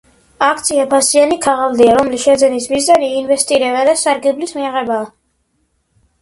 აქცია ფასიანი ქაღალდია, რომლის შეძენის მიზანი ინვესტირება და სარგებლის მიღებაა